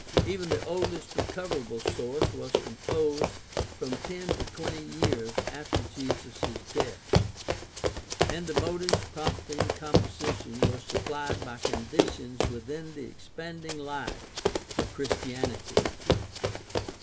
Even the oldest recoverable source was com posed from ten to twenty years after Jesus' death, and the motives prompting composition were supplied by conditions within the expanding life of Christianity.